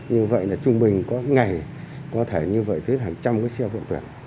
như vậy là trung bình có ngày có thể như vậy tới hàng trăm cái xe vận chuyển